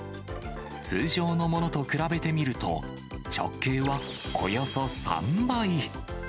通常のものと比べてみると、直径はおよそ３倍。